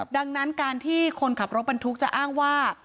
ดังนั้นการที่คนขับรถบรรทุกจะอ้างว่า